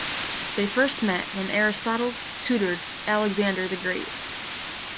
They first met when Aristotle tutored Alexander the Great.